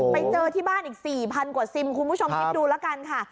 ไปเจอที่บ้านอีก๔๐๐กว่าซิมคุณผู้ชมคิดดูแล้วกันค่ะ